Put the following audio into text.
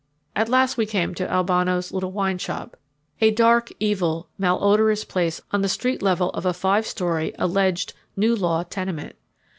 At last we came to Albano's little wine shop, a dark, evil, malodorous place on the street level of a five story, alleged "new law" tenement.